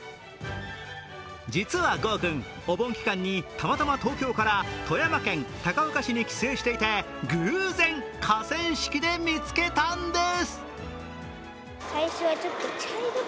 実は剛君、お盆期間にたまたま東京から富山県高岡市に帰省していて、偶然河川敷で見つけたんです。